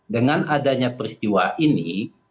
dengan adanya peristiwa ini